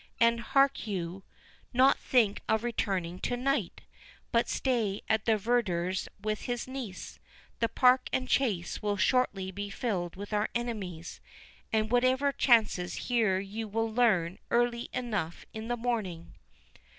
'—And, hark you, do not think of returning to night, but stay at the verdurer's with his niece—the Park and Chase will shortly be filled with our enemies, and whatever chances here you will learn early enough in the morning."